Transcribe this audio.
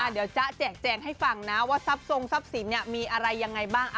เดี๋ยวจ๊ะแจกแจงให้ฟังนะว่าทรัพย์ทรงทรัพย์สินมีอะไรยังไงบ้าง